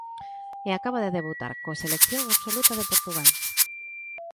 E acaba de debutar co selección absoluta de Portugal.